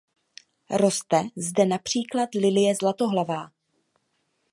Roste zde například lilie zlatohlavá.